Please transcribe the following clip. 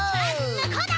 むこうだ！